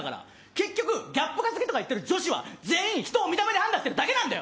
結局ギャップが好きとか言ってる女子は全員、人を見た目で判断してるだけなんだよ。